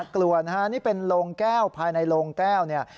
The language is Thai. กลัวนะฮะนี่เป็นโรงแก้วภายในโรงแก้วเนี่ย